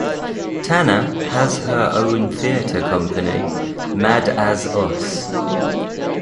Tanner has her own theatre company, Mad as Us.